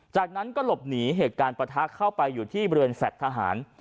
จากนั้นก็หลบหนีเหตุการณ์ประทะเข้าไปอยู่ที่บริเวณแฟลต์ทหาร